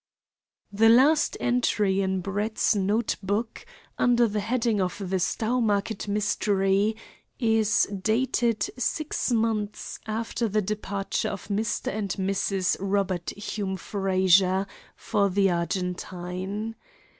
The last entry in Brett's note book, under the heading of the "Stowmarket Mystery," is dated six months after the departure of Mr. and Mrs. Robert Hume Frazer for the Argentine.